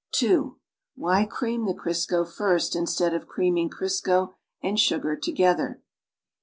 (•2) Why cream the Crisco first instead of creaming Crisco and sugar to gether?